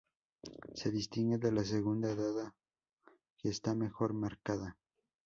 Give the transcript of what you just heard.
Se distingue de la segunda, dado que está mejor marcada.